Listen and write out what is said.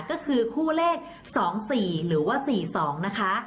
ก็คือคู่เลข๒๔หรือว่า๔๒นะคะ